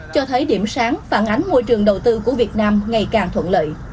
cho thấy điểm sáng phản ánh môi trường đầu tư của việt nam ngày càng thuận lợi